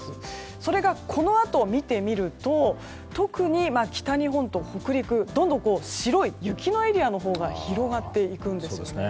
それがこのあとを見てみると特に北日本と北陸どんどん白い雪のエリアが広がっていくんですよね。